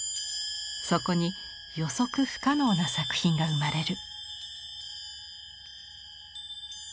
そこに予測不可能な作品が生まれる。